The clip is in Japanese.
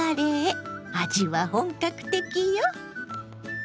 味は本格的よ！